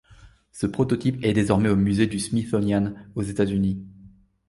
Ce prototype est désormais au musée du Smithsonian aux États-Unis.